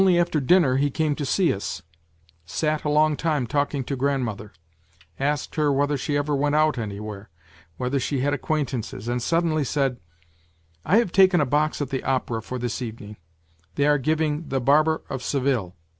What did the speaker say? " Only after dinner he came to see us ; sat a long time talking to grandmother ; asked her whether she ever went out anywhere, whether she had acquaintances, and suddenly said :' I have taken a box at the opera for this evening ; they are giving The Barber of Seville.